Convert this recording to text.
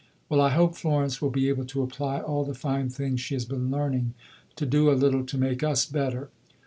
Well, I hope Florence will be able to apply all the fine things she has been learning, to do a little to make us better.